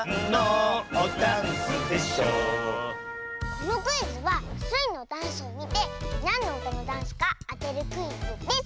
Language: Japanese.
このクイズはスイのダンスをみてなんのうたのダンスかあてるクイズです！